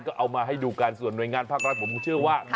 ก็เอามาให้ดูกันส่วนหน่วยงานภาครัฐผมเชื่อว่า